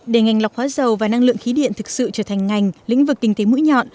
để ngành lọc hóa dầu và năng lượng khí điện thực sự trở thành ngành lĩnh vực kinh tế mũi nhọn